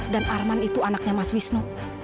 arman itu anaknya mas wisnu